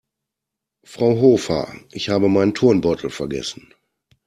Frau Hofer, ich habe meinen Turnbeutel vergessen.